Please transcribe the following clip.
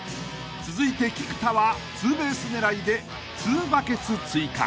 ［続いて菊田は２ベース狙いで２バケツ追加］